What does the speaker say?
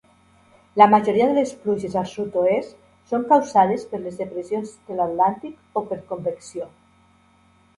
La majoria de les pluges al sud-oest són causades per les depressions de l'Atlàntic o per convecció.